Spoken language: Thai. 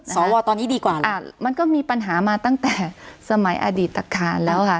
สวตอนนี้ดีกว่าล่ะมันก็มีปัญหามาตั้งแต่สมัยอดีตตะคารแล้วค่ะ